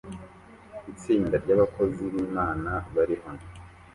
Itsinda ry'abakozi b’imana barihano